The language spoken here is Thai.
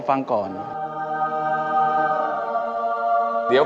ถามพี่ปีเตอร์